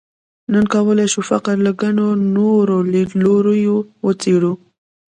نن کولای شو فقر له ګڼو نورو لیدلوریو وڅېړو.